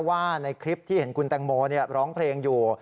ว่าในคลิปที่เห็นคุณแตงโมร้องเพลงอยู่